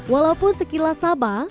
walaupun sekilas sama